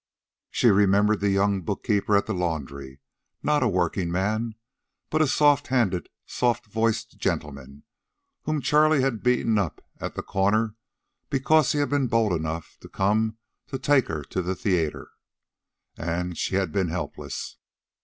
She remembered the young bookkeeper at the laundry not a workingman, but a soft handed, soft voiced gentleman whom Charley had beaten up at the corner because he had been bold enough to come to take her to the theater. And she had been helpless.